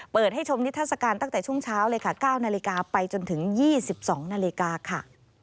เปิดให้ชมนิทัศกาลตั้งแต่ช่วงเช้า๙นาฬิกาไปจนถึง๒๒นาฬิกา